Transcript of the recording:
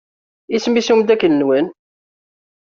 Isem-is umeddakel-nwen?